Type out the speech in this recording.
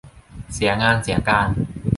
เสียงานเสียการ